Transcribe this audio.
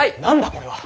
これは。